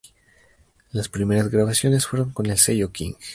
Las primeras grabaciones fueron con el sello King.